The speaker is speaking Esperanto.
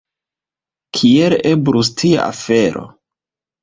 Kiel eblus tia afero?